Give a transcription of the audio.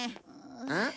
うん？